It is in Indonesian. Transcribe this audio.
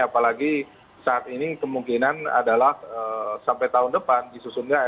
apalagi saat ini kemungkinan adalah sampai tahun depan disusunnya